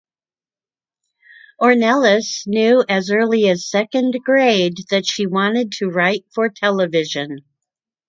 Ornelas knew as early as second grade that she wanted to write for television.